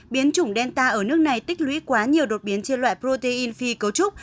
biến chủng delta ở nước này tích lũy quá nhiều đột biến trên loại protein phi cấu trúc